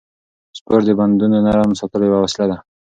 سپورت د بندونو نرم ساتلو یوه وسیله ده.